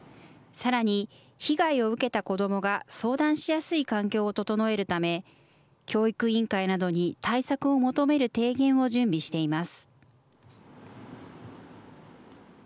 さらに、被害を受けた子どもが相談しやすい環境を整えるため、教育委員会などに対策を求める提言を準備しています。